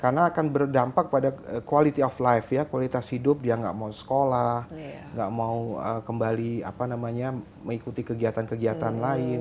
karena akan berdampak pada quality of life ya kualitas hidup dia nggak mau sekolah nggak mau kembali apa namanya mengikuti kegiatan kegiatan lain